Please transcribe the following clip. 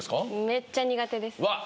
めっちゃ苦手です。